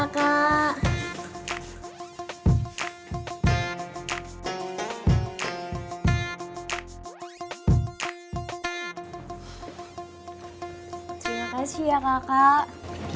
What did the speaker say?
tadi tadi tadi